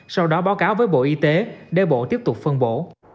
sau đó báo cáo với bộ y tế để bộ tiếp tục phân bổ